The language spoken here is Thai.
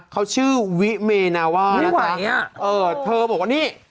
เขาชื่อวิเมนาว่าเออเธอบอกว่านี่